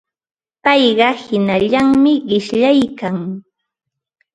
Payqa hinallami qishyaykan.